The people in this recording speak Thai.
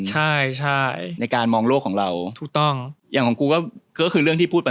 ใช่ใช่ในการมองโลกของเราถูกต้องอย่างของกูก็คือเรื่องที่พูดไป